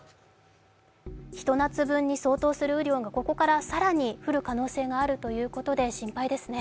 ひと夏分に相当する雨量がここから更に降るおそれがあるということで心配ですね。